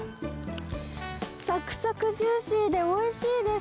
さくさくジューシーでおいしいです。